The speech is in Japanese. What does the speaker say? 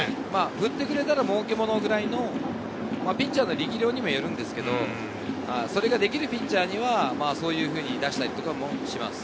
振ってくれたら儲けものっていうくらいのピッチャーの力量にもよるんですけど、それができるピッチャーにはそういうふうに出したりします。